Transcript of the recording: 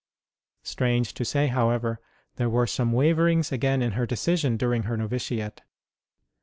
Strange to say, however, there were some waverings again in her decision during her novitiate.